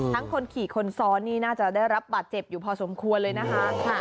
คนขี่คนซ้อนนี่น่าจะได้รับบาดเจ็บอยู่พอสมควรเลยนะคะ